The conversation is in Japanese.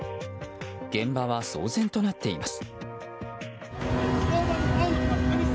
現場は騒然となっています。